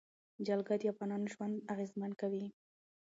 جلګه د افغانانو ژوند اغېزمن کوي.